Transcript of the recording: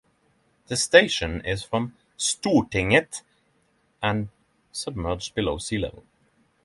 The station is from Stortinget and submerged below sea level.